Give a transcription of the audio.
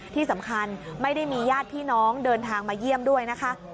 ที่สำคัญไม่ได้มีญาติพี่น้องเดินทางมาเยี่ยมด้วยนะคะ